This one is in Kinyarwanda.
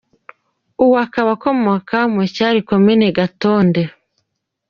G, agakomoka mu cyari Komini Gatonde ;.